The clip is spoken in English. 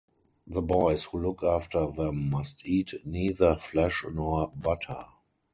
The boys who look after them must eat neither flesh nor butter.